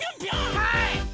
はい！